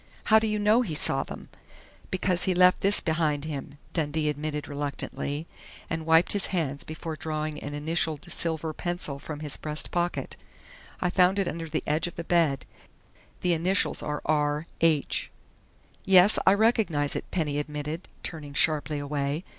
"How do you know he saw them?" "Because he left this behind him," Dundee admitted reluctantly, and wiped his hands before drawing an initialed silver pencil from his breast pocket. "I found it under the edge of the bed. The initials are R. H." "Yes, I recognize it," Penny admitted, turning sharply away.